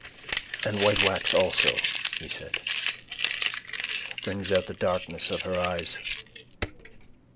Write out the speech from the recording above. —And white wax also, he said. Brings out the darkness of her eyes.